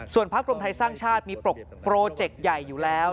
ส่วนพักรวมไทยสร้างชาติมีโปรเจกต์ใหญ่อยู่แล้ว